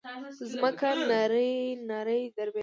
ځمکه نرۍ نرۍ دربېدله.